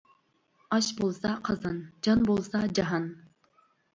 ئاش بولسا قازان، جان بولسا جاھان.